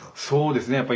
そうですね。